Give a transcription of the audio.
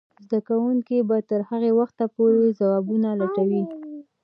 زده کوونکې به تر هغه وخته پورې ځوابونه لټوي.